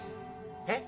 えっ？